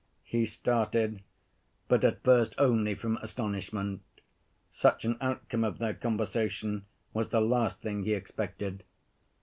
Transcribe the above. He started, but at first only from astonishment. Such an outcome of their conversation was the last thing he expected.